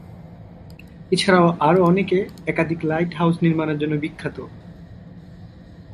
এছাড়া আরও অনেকে একাধিক লাইট হাউজ নির্মাণের জন্যে বিখ্যাত।